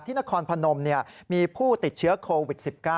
นครพนมมีผู้ติดเชื้อโควิด๑๙